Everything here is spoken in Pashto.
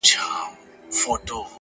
بریا د عادتونو پایله ده